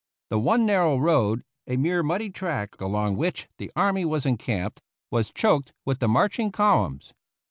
The one narrow road, a mere muddy track along which the army was encamped, was choked with the marching columns.